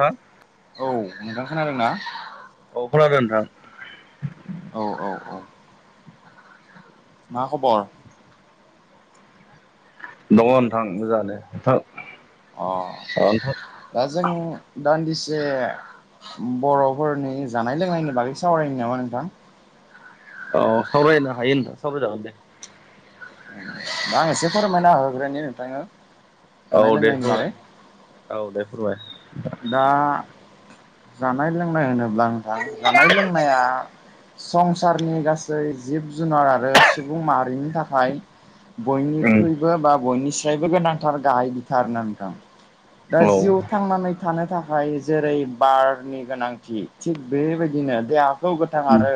हा औ नोंथां खोनादों ना? औ खोनादों नोंथां। औ औ औ मा खबर? दङ नथां मोजाङानो थां अ दा जों दान्दिसे बर'फोरनि जानाय लोंनायनि बागै सावरायानो नामा नोंथां अ सावरायनो हायो नोंथां सावराय जागोन दे आं एसे फोरमायना होग्रोनि नोंथांनो औ जानाय दे लोंनायनि फोरमाय बागै औ दे फोरमाय दा जानाय लोंनाय होनोब्ला जानाय लोंनाया संसारनि गासै सै जिब जुनार आरो सुबुं माहारिनि थाखाय उम बयनिख्रुइ बो बा बयनिसायबो गोनांथार गाहाय बिथार होनथां दा औ उम जिव थांनानै थानो थाखाय जेरै बारनि गोनांथि थिग बेबायदिनो देहाखौ गोथां आरो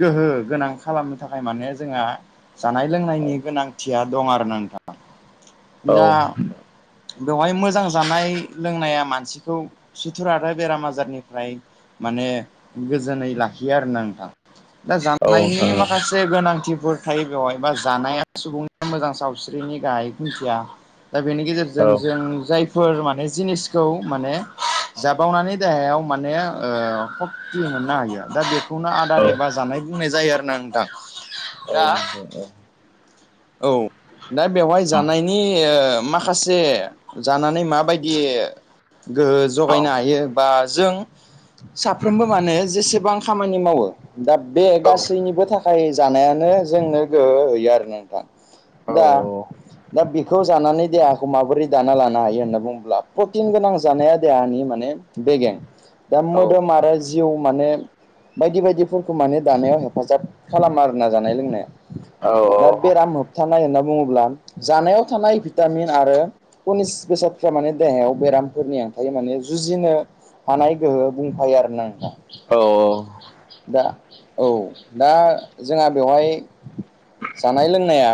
गोहो गोनां खालामनो थाखाय माने जोंहा जानाय औ लोंनायनि गोनांथिया दं आर ना नोंथाङ औ दा बेवहाय मोजां जानाय लोंनाया मानस थिखौ सुथुर आरो बेराम आजारनिफ्राय माने गोजोनै लाखियो आरो ना नोंथां दा जानायनि नोंथां माखासे से गोनांथिफोर थायो बेवहाय बा जानाया सुबुंनि मोजां सावस्रिनि गाहायै खुन्थिया दा बेनि औ गेजेरजों जों जायफोर माने जिनिसखौ माने जाबावनानै देहायाव माने ओ सक्ति मोननो हायो दा बेखौनो औ नोंथां औ आदार औ एबा जानाय बुंनाय जायो आरो ना नोंथां औ दा औ नोंथां औ दा बेवहाय औ औ जानायनि ओ माखासे जानानै माबायदि गोहो जगायनो हायो बा जों साफ्रोमबो माने जेसेबां खामानि मावो दा बे गासैनिबो थाखाय जानायानो जोंनो गोहो होयो आरो नोंथां। दा दा बेखौ जानानै देहाखौ माबोरै दाना लानो हायो होनना बुङोब्ला प्रटिन गोनां जानाया देहानि माने बेगें दा मोदोम आरो जिउ माने बायदि बायदिफोरखौ माने दानायाव हेफाजाब खालामा आरोना जानाय लोंनाया दा बेराम होबथानाय होनना बुङोब्ला जानायाव थानाय भिटामिन आरो उनिस बेसादफ्रा माने देहायाव बेरामफोरनि आथाय माने जुजिनो हानाय गोहो बुंफायो आरो नं औ दा औ दा जोंहा बेवहाय जानाय लोंनाया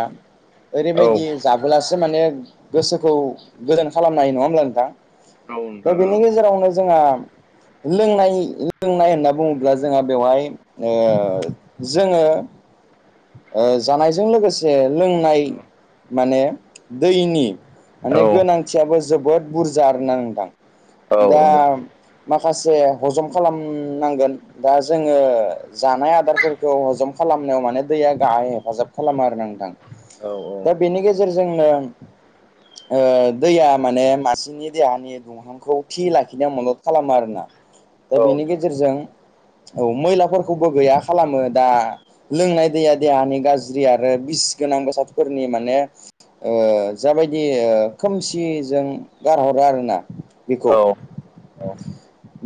ओरैबायदि जाबोलासो माने गोसोखौ गोदोन खालामनो हायो नङा होमब्ला नोंथां? दा बेनि गेजेरावनो जोंहा लोंनाय लोंनाय होनना बुङोब्ला जोंहा बेवहाय ओ जोङो ओ जानायजों लोगोसे लोंनाय माने दैनि माने गोनांथियाबो जोबोद बुरजा आरो नोंथां दा माखासे हजम खालामनांगोन दा जोङो जानाय आदारफोरखौ हजम खालामनायाव माने दैया गाहाय हेफाजाब खालामो आरो नोंथां दा बेनि गेजेरजोंनो ओ दैया माने मासि नि देहानि दुं मोखांखौ थि लाखिनायाव मदद खालामो आरोना दा बेनि गेजेरजों औ मैलाफोरखौबो गैया खालामो दा लोंनाय दैया देहानि गाज्रि आरो बिस गोनां बेसादफोरनि माने ओ जाबायदि ओ खोमसिजों गारहरो आरोना बेखौ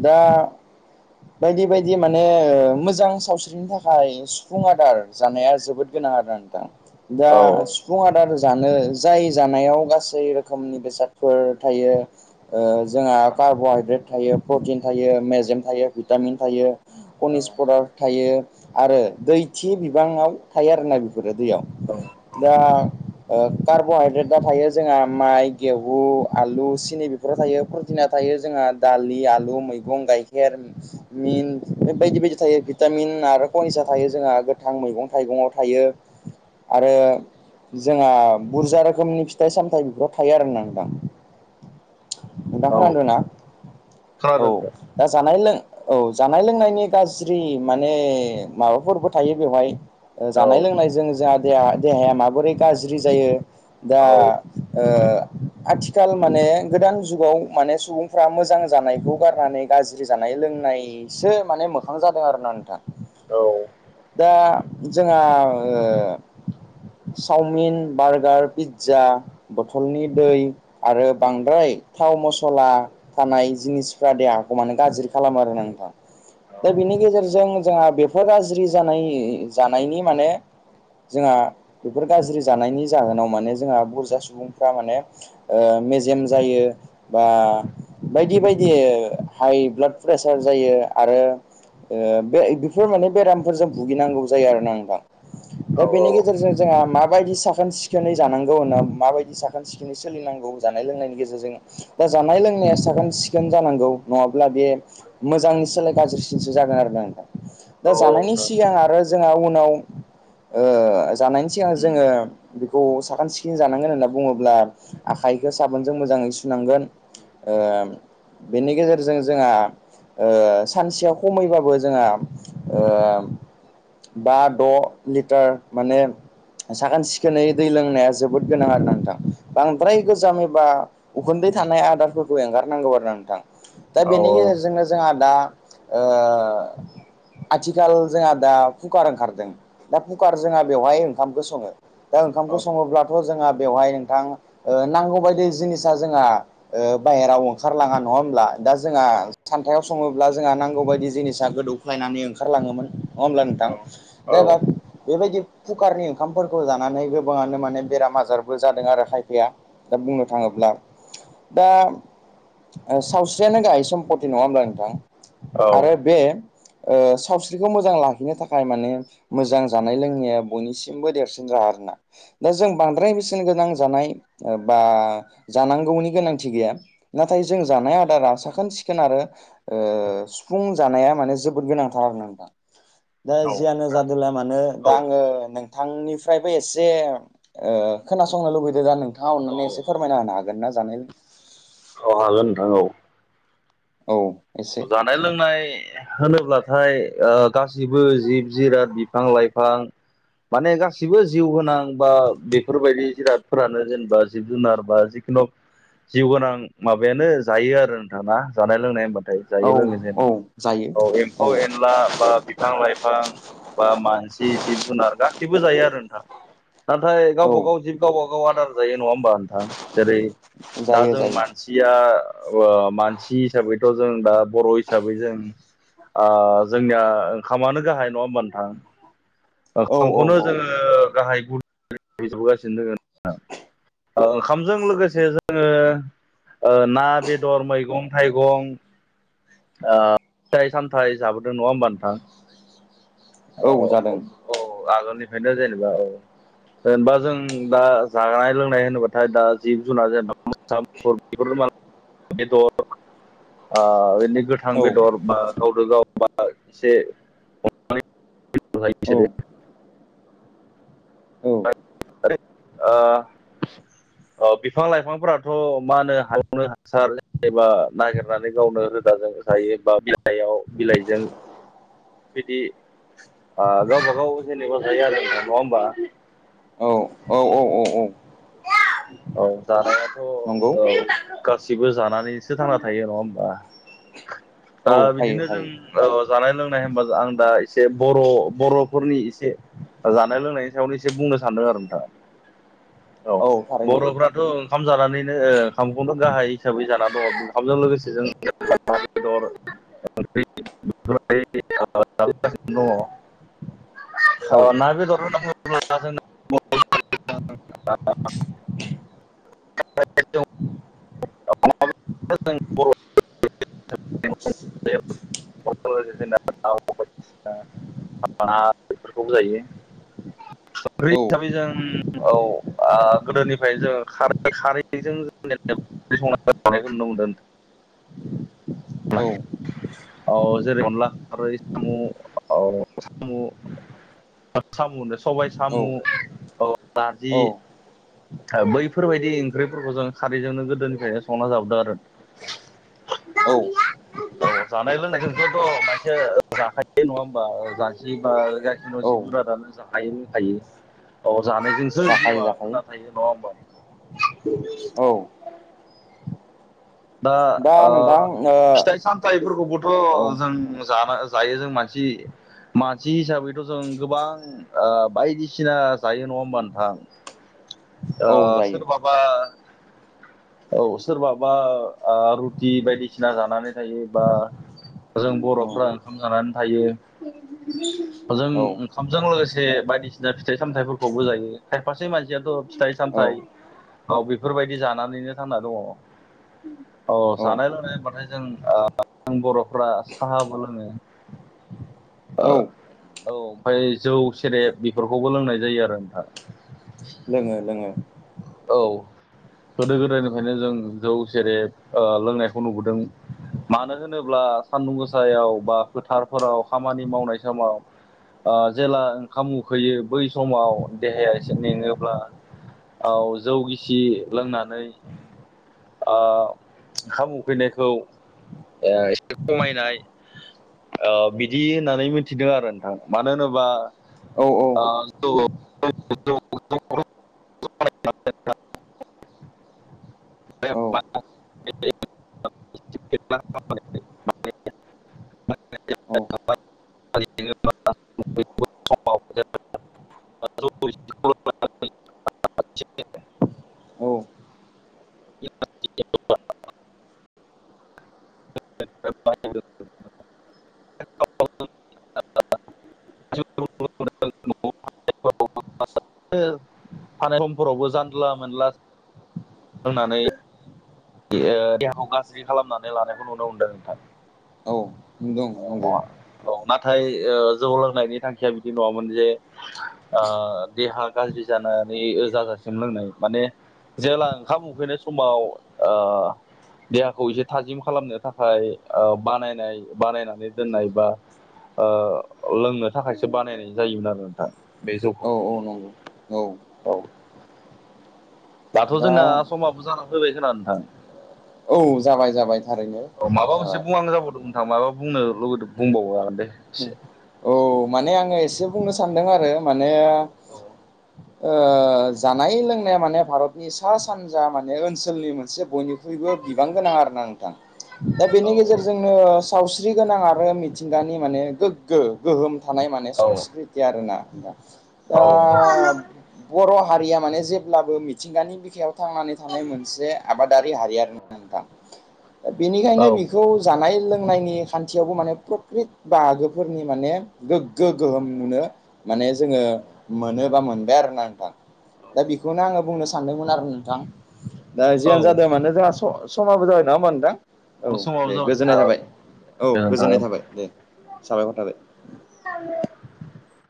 दा बायदि बायदि माने ओ मोजां सावस्रिनि थाखाय सुफुं आदार जानाया जोबोद गोनां आरोना नोंथां दा सुफुं आदार जानो जाय जानायाव गासै रोखोमनि बेसादफोर थायो ओ जोंहा कार्ब'हाइद्रेट थायो प्रटिन थायो मेजेम थायो भिटामिन थायो औ कनिसपदार थायो आरो दैथि गोबाङाव थायो आरोना बेफोरो औ दैयाव दा ओ कार्ब'हाइद्रेटाव थायो जोंहा माइ गेहु आलु सिनि बे थायो प्रटिना थायो जोंहा दालि आलु मैगं गाइखेर मिन बायदि बायदि थायो भिटामिन आरो कनिसा थायो जोंहा गोथां मैगं थाइगङाव थायो आरो जोंहा बुरजा रोखोमनि फिथाइ सामथाइ बिफोराव थायो आरो नोंथां नोंथांङा औ खोनदों ना औ खोनादों दा जानाय लों औ जानाय लोंनायनि गाज्रि माने माबाफोरबो थायो बेवहाय ओ जानाय नोंथां लोंनायजों जोहा देहाया माबोरै गाज्रि जायो दा औ ओ आथिखाल माने गोदान जुगाव माने सुबुंफ्रा मोजां जानायखौ गारनानै गाज्रि जानाय लोंनायसो माने मोखां जादों आरो ना नोंथां औ दा जोंहा ओ चउमिन बार्गार पित्जा बथलनि दै आरो बांद्राय थाव मसला थानाय जिनिसफ्रा देहाखौ माने गाज्रि खालामो आरो नोंथां दा बिनि गेजेरजों जोंहा बेफोर गाज्रि जानाय जानायनि माने जोंहा बेफोर गाज्रि जानायनि जाहोनाव माने जोंहा बुरजा सुबुंफ्रा माने ओ मेजेम जायो बा बायदि बायदि हाइ ब्लाड प्रेसार जायो आरो ओ बे बिफोर माने बेराम फोर जों भुगिनांगौ जायो आरोना नोंथां। औ दा बेनि गेजेरजों जोंहा माबायदि साखोन सिखोन सिखोनै जानांगौ होनना माबायदि साखोन सिखोनै सोलिनांगौ जानाय लोंनायनि गेजेरजों दा जानाय लोंनाया साखोन सिखोन जानांगौ नङाब्ला बे मोजांनि सोलाय गाज्रिसिनसो जागोन आरोना नोंथां दा औ जानायनि नोंथां सिगां आरो जोंहा उनाव ओ जानायनि सिगां उम जोङो बि खौ साखोन सिखोन जानांगोन होनना बुङोब्ला आखाइखौ साबोनजों मोजाङै सुनांगोन ओ बेनि गेजेरजों जोंहा ओ सानसेया खमैबाबो जोंहा ओ बा द लिटार माने साखोन सिखोनै दै लोंनाया जोबोद गोनां आरोना नोंथां बांद्राय गोजाम एबा उखुन्दै थानाय आदारफोरखौ एंगारनांगौ आरो नोंथां। दा औ बेनि गेजेरजोंनो जोंहा दा ओ आथिखाल जोंहा दा कुकार ओंखारदों दा फुकार जोंहा बेवहाय ओंखामखौ सङो दा ओंखामखौ सङोब्ला थ' जोंहा बेवहाय नोंथां ओ नांगौ बायदि जिनिसा जोंहा बाहेराव ओंखारलाङा नङा होमब्ला दा जोंहा सान्थायाव सङोब्ला जोंहा नांगौ बायदि जिनिसा गोदौख्लायनानै ओंखारलाङोमोन नङा होमब्ला नोंथां। दे बाबु बेबायदि कुकारनि ओंखामफोरखौ जानानै गोबाङानो माने बेराम आजारबो जादों आरो खायफाया। दा बुंनो थाङोब्ला दा ओ सावस्रियानो गाहाय सम्पति नङा होमब्ला नोंथां। आरो बे ओ सावस्रिखौ मो जां लाखिनो थाखाय माने मोजां जानाय लोंनाया बयनिसिमबो देरसिन जोहा आरोना। दा जों बांद्राय बेसेन गोनां जानाय बा जानांगौनि गोनांथि गैया। नाथाय जों जानाय आदारा साखोन सिखोन आरो ओ सुफुं जानाया माने जोबोद गोनांथार आरोना नोंथां। दा जियानो जादोंला मानो औ दा आङो नोंथांनिफ्रायबो एसे ओ खोनासंनो लुबैदों दा नोंथाङा अननानै एसे औ फोरमायना होनो हागोन ना जानाय औ हागोन नोंथां औ औ एसे जानाय लोंनाय होनोब्लाथाय गासिबो जिब जिराद बिफां लाइफां माने गासिबो जिउ गोनां बा बेफोरबायदि जिरादफोरानो जेनेबा जिब जुनार बा जिउ गोनां माबायानो जायो आरो नोंथा ना जानाय लोंनाय होमबाथाय। औ जायो लोङो औ जेनेबा जायो औ एम्फौ एनला बा बिफां लाइफां बा मानसि जिब जुनार गासिबो जायो आरो नोंथां। नाथाय औ गावबा गाव जिब गावबा गाव आदार जायो नङा होमबा नोंथां जेरै दा जायो जों जायो मानसि या ओ मानसि हिसाबैथ' जों दा बर' हिसाबै जों ओ जोंनिया ओंखामानो गाहाय नङा होमबा नोंथां। औ औ ओखामखौनो औ जोङो गाहाय गुदि हिसाबै जाबोगासिनो नोंथां। ओ ओंखामजों लोगोसे जोङो ओ ना बेदर मैगं थाइगं ओ फिथाइ सामथाय जाबोदों नङा होमबा नोंथां। औ जादों औ आगोलनिफ्रायनो जेनेबा औ जेनेबा जों दा जानाय लोंनाय होनोबाथाय दा जिब जुनार जेनेबा [unintelligible] बेदर ओ गोथां औ बेदर बा गावजों गाव बा एसे हमनानै जायो औ बिसोरो। औ ओ [inaudible] अ बिफां लाइफांफोराथ' मा होनो हायावनो हासार एबा नागिरनानै गावनो रोदा जोङो जायो बा बिलाइयाव बिलाइजों बिदि ओ गावबा गाव जेनेबा जायो आरो नोंथां नङा होमबा। औ औ औ औ औ औ जानायाथ' औ नंगौ गासिबो जानानैसो थांना थायो नङा होमबा औ दा थायो बिदिनो जों थायो औ जानाय लोंनाय होनबा आं दा एसे बर बर'फोरनि एसे जानाय लोंनायनि सायावनो एसे बुंनो सानदों आरो नोंथां औ [inaudible] बर'फ्राथ' ओंखाम जानानैनो ओ ओंखामखौनो गाहाय हिसाबै जाना दङ ओंखामजों लोगोसे जों [unintelligible] ओनो दङ औ ना बेदर [unintelligible] बुङोब्ला जों [unintelligible] बायदिसिना बेफोरखौबो जायो औ हिसाबै जों औ गोदोनिफ्राय जों खारै खारैजों संनाखौ नुनो मोनदों नोंथां। औ जेरै अनला खारै सामु औ सामु सामु होनो सबाय सामु औ नारजि बैफोरबायदि ओंख्रिफोरखौ जों खारैजोंनो गोदोनिफ्रायनो संना जाबोदों आरो। औ औ जानाय लोंनायजोंसोथ' मानसिआ जाखायो नङा होमबा ओ मानसि बा गसिबो औ जिब जुनादानो जाखायो लोंखायो। औ जानायजोंसो जाखायो जिउआ जाखायो थांना थायो नङा होमबा नोंथां? औ दा आ फिथाइ सामथाय फिथाइफोरखौबोथ' ओ जों जानो जायो जों मानसि मानसि हिसाबैथ' जों गोबां बायदिसिना जायो नङा होमबा नोंथां? [inaudible] जायो सोरबाबा औ सोरबाबा रुटि बायदिसिना जानानै थायो बा जों औ बर'फोरा ओंखाम जानानै थायो। [inaudible] जों औ ओंखामजों लोगोसे बायदिसिना फिथाइ सामथाइफोरखौबो जायो खायफासे मानसियाथ' फिथाइ औ सामथाय औ बेफोरबायदि जानानैनो थांना दङ। औ जानाय लोंनाय हबाथाय जों ओ आं बर'फ्रा साहाबो लोङो। ओ औ औ ओमफ्राय जौ सेरेब बेफोरखौबो लोंनाय जायो आरो नोंथां। लोङो लोङो। औ गोदो गोदायनिफ्रायनो जों जौ सेरेब ओ लोंनायखौ नुबोदों। मानो होनोब्ला सान्दुं गोसायाव बा फोथारफोराव खामानि मावनाय समाव जेला ओंखाम उखैयो बै समाव देहाया एसे मेङोब्ला औ जौ गिसि लोंनानै ओ ओंखाम उखैनायखौ ओ एसे खमायनो बायो। बिदि होननानै मिथिदों आरो नोंथां मानो होनोबा औ औ आ बेखौफ बे औ [unintelligible] [inaudible] [unintelligible] थानाय औ [unintelligible] [unintelligible] [inaudible] [unintelligible] थानाय समफोरावबो जानला मोनला लोंनानै ओ देहाखौ गाज्रि खालामनानै लानायखौ नुनो मोनदों नोंथां। औ दं नंगौ। औ नाथाय जौ लोंनायनि थांखिया बिदि नङामोन जे ओ देहा गाज्रि जानानै ओ जाजासिम लोंनाय माने जेला ओंखाम उखैनाय समाव ओ देहाखौ एसे थाजिम खालामनो थाखाय ओ बानायनाय बानायनानै दोननाय बा ओ लोंनो थाखायसो बानायनाय जायोमोन आरो नोंथां बे जौखौ औ औ नं औ औ दाथ' दा जोंना समाबो जानानै फैबाय खोना नोंथां। औ जाबाय जाबाय थारैनो औ माबा मोनसे जाबाय बुंहां जाबदोमोन। आं माबा बुंनो लुबैदों बुंबाव जागोन दे। एसे औ माने आङो एसे बुंनो सानदों आरो माने औ ओ जानाय लोंनाया माने भारतनि सा सानजा माने ओनसोलनि मोनसे बयनिख बयबो बिबां गोनां आरो ना नोंथां दा बेनि औ गेजेरजोंनो सावस्रि गोनां आरो मिथिंगानि माने गोग्गो गोहोम थानाय माने औ संस्कृति आरोना [unintelligible] बर' हारिया माने जेब्लाबो मिथिंगानि बिखायाव थांनानै थानाय मोनसे आबादारि हारि आरो नोंथां दा बेनिखायनो औ बेखौ जानाय लोंनायनि खान्थियावबो माने खोब फिद बागोफोरनि माने गोग्गो गोहोम नुनो माने जोङो मोनो बा मोनबाय आरोना नोंथां। दा बेखौनो आङो बुंनो सानदोंमोन आरो नोंथां दा औ जियानो जादो मानो जोंहा स समाबो जाबाय नङा होमबा नोंथां औ समाबो दे जाबाय गोजोननाय नोंथां औ थाबाय औ गोजोनथों गोजोननाय थाबाय। दे साबायखर थाबाय। [unintelligible]